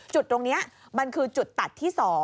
จุดตรงนี้มันคือจุดตัดที่๒